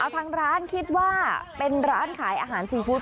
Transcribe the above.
ทางร้านคิดว่าเป็นร้านขายอาหารซีฟู้ด